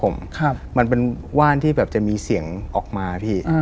มันเป็นว่านที่แบบจะมีเสียงออกมาพี่